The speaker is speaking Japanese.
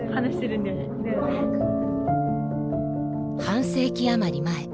半世紀余り前。